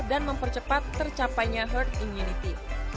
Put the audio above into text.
dan mempercepat tercapainya herd immunity